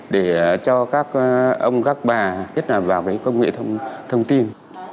để cho các ông các bà kết hợp vào công nghệ thông tin